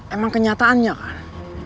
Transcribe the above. emang kenyataannya kan